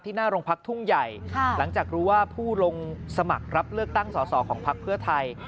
หน้าโรงพักทุ่งใหญ่หลังจากรู้ว่าผู้ลงสมัครรับเลือกตั้งสอสอของพักเพื่อไทย